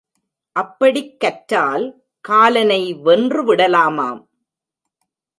அப்படிக் கற்றால் காலனை வென்று விடலாமாம்.